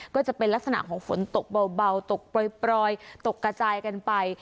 ก็จะเป็นลักษณะของฝนตกเบาตกปล่อยตกกระจายกันไป